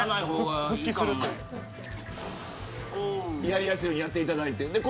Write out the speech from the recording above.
やりやすいようにやっていただいて。